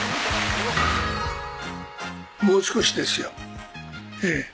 もう少しですよええ。